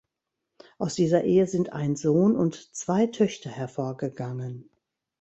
Aus dieser Ehe sind ein Sohn und zwei Töchter hervorgegangen.